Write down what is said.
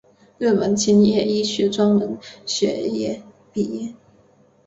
日本千叶医学专门学校毕业。